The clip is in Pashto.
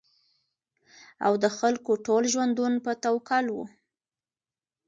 او د خلکو ټول ژوندون په توکل وو